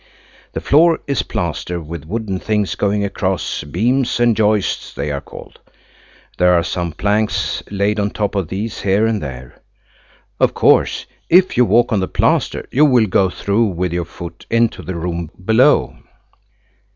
The floor is plaster with wooden things going across, beams and joists they are called. There are some planks laid on top of these here and there. Of course if you walk on the plaster you will go through with your foot into the room below.